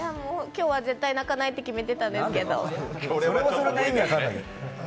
今日は絶対泣かないって決めてたんですけど。